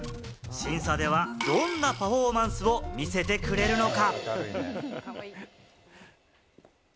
審査ではどんなパフォーマンスを見せてくれるのか？